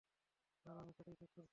Sir, আমি সেটাই check করছি।